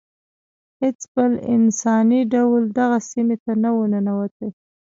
هیڅ بل انساني ډول دغه سیمې ته نه و ننوتی.